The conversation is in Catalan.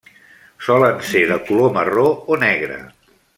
Solen ser de color marró o negre.